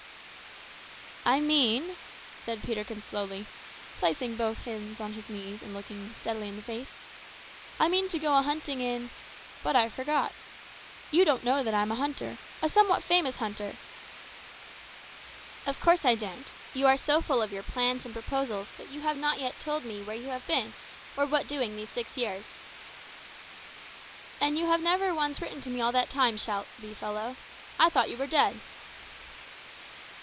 "I mean," said Peterkin slowly, placing both hands on his knees and looking me steadily in the face "I mean to go a hunting in but I forgot. You don't know that I'm a hunter, a somewhat famous hunter?" "Of course I don't. You are so full of your plans and proposals that you have not yet told me where you have been or what doing these six years. And you ye never written to me once all that time, shabby fellow. I thought you were dead."